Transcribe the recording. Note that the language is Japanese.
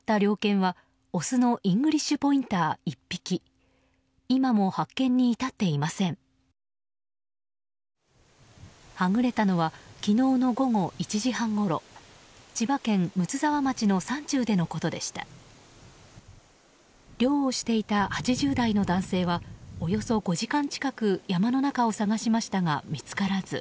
猟をしていた８０代の男性はおよそ５時間近く山の中を捜しましたが見つからず。